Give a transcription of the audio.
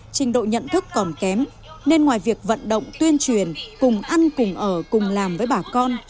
trình độ nhận thức còn kém nên ngoài việc vận động tuyên truyền cùng ăn cùng ở cùng làm với bà con